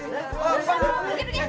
bikin pusing pergi pergi